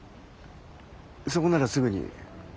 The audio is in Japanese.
そこならすぐに。